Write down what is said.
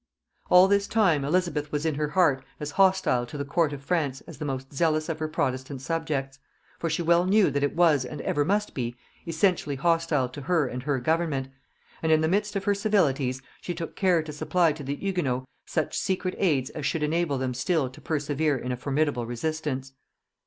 All this time Elizabeth was in her heart as hostile to the court of France as the most zealous of her protestant subjects; for she well knew that it was and ever must be essentially hostile to her and her government; and in the midst of her civilities she took care to supply to the Hugonots such secret aids as should enable them still to persevere in a formidable resistance.